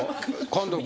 監督。